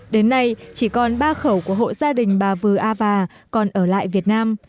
đến nay chỉ còn ba khẩu của hộ gia đình bà vư a và còn ở lại việt nam